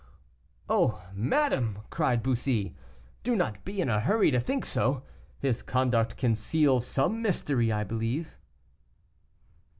"Oh! madame!" cried Bussy, "do not be in a hurry to think so, his conduct conceals some mystery, I believe."